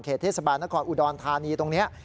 เขตเทศบาลนอุดอนธานีตรงนี้